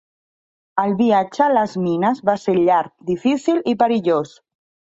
El viatge a les mines va ser llarg, difícil i perillós.